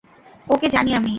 ওকে জানি আমি!